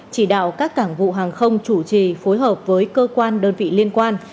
chỉ đạo các cảng vụ hàng không chủ trì phối hợp với cơ quan đơn vị liên quan